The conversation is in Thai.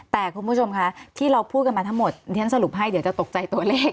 แต่คุณผู้ชมคะที่เราพูดกันมาทั้งหมดที่ฉันสรุปให้เดี๋ยวจะตกใจตัวเลข